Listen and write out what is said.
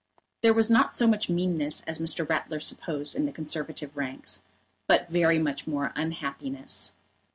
There was not so much meanness as Mr. Ratler supposed in the Conservative ranks, but very much more unhappiness.